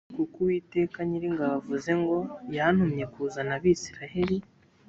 kuko uwiteka nyiringabo avuze ngo yantumye kuzana abasiraheli